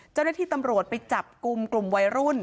เจ้าหน้าที่ตำรวจไปจับกลุ่มกลุ่มวัยรุ่น